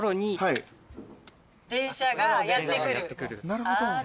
なるほど。